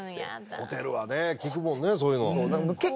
ホテルはね聞くもんね